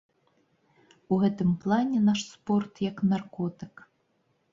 У гэтым плане наш спорт як наркотык.